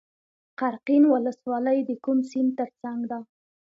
قرقین ولسوالۍ د کوم سیند تر څنګ ده؟